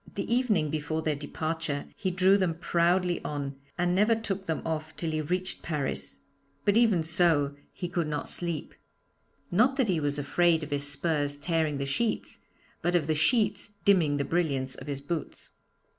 The evening before their departure he drew them proudly on, and never took them off till he reached Paris! But even so, he could not sleep. Not that he was afraid of his spurs tearing the sheets, but of the sheets dimming the brilliance of his boots.